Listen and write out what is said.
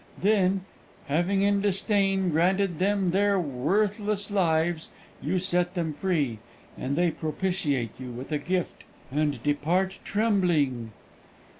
Then, having in disdain granted them their worthless lives, you set them free; and they propitiate you with a gift, and depart trembling."